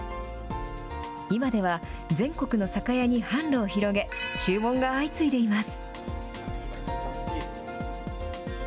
今では、全国の酒屋に販路を広げ、注文が相次いでいます。